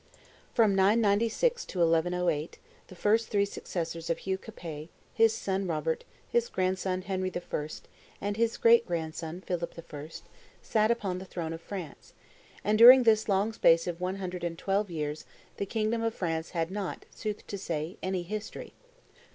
From 996 to 1108, the first three successors of Hugh Capet, his son Robert, his grandson Henry I., and his great grandson Philip I., sat upon the throne of France; and during this long space of one hundred and twelve years the kingdom of France had not, sooth to say, any history.